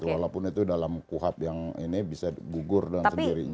walaupun itu dalam kuhab yang ini bisa gugur dengan sendirinya